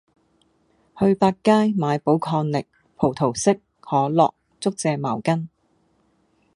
去百佳買寶礦力，葡萄式，可樂，竹蔗茅根